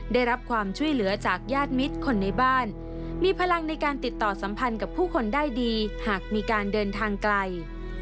ได้รับความช่วยเหลือจากญาติมิตรคนในบ้านมีพลังในการติดต่อสัมพันธ์กับผู้คนได้ดีหากมีการเดินทางไกล